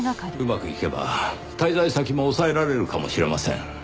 うまくいけば滞在先も押さえられるかもしれません。